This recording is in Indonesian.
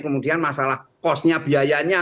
kemudian masalah cost nya biayanya